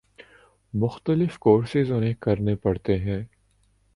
مختلف کورسز انہیں کرنے پڑتے ہیں۔